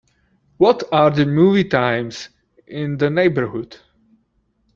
What are the movie times in the neighbourhood